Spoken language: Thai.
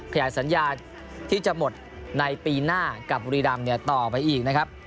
ขยายสัญญาที่จะหมดในปีหน้ากับบุรีรำเนี่ยต่อไปอีกนะครับ